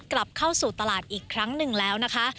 กลับเข้าสู่ตลาดอีกครั้งหนึ่งแล้วนะคะ